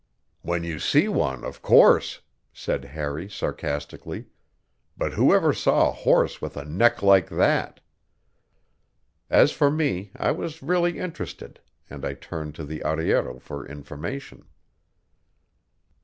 "When you see one, of course," said Harry sarcastically. "But who ever saw a horse with a neck like that?" As for me, I was really interested, and I turned to the arriero for information.